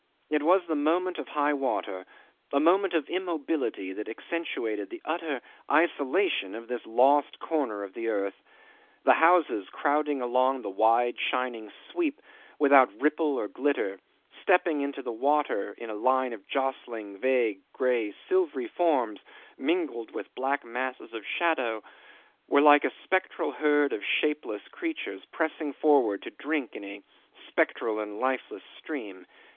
It was the moment of high water, a moment of immobility that accentuated the utter isolation of this lost corner of the earth. The houses crowding along the wide shining sweep without ripple or glitter, stepping into the water in a line of jostling, vague, grey, silvery forms mingled with black masses of shadow, were like a spectral herd of shapeless creatures pressing forward to drink in a spectral and lifeless stream.